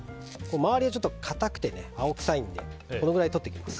周りは硬くて青臭いのでこのぐらい取っていきます。